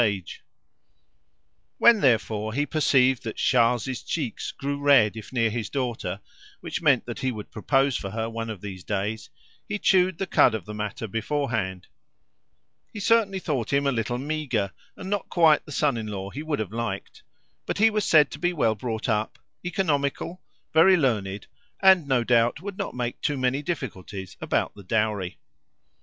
A mixture of coffee and spirits. When, therefore, he perceived that Charles's cheeks grew red if near his daughter, which meant that he would propose for her one of these days, he chewed the cud of the matter beforehand. He certainly thought him a little meagre, and not quite the son in law he would have liked, but he was said to be well brought up, economical, very learned, and no doubt would not make too many difficulties about the dowry.